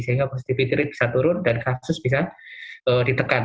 sehingga positivity rate bisa turun dan kasus bisa ditekan